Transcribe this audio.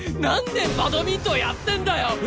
何年バドミントンやってんだよ！